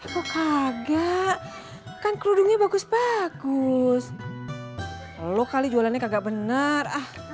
kok kagak kan kerudungnya bagus bagus lo kali jualannya kagak benar